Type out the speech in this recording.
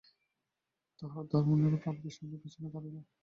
তাহার দারোয়ানেরা পালকির সামনে পিছনে দাড়াইল।